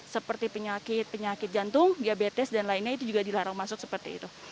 seperti penyakit penyakit jantung diabetes dan lainnya itu juga dilarang masuk seperti itu